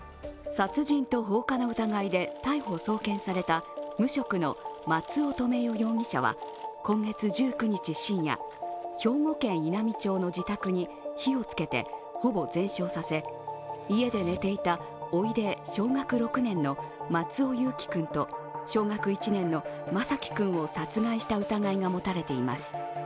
殺人と放火の疑いで逮捕・送検された無職の松尾留与容疑者は今月１９日深夜、兵庫県稲美町の自宅に火をつけてほぼ全焼させ、家で寝ていた、おいで小学６年の松尾侑城君と小学１年の眞輝君を殺害した疑いが持たれています。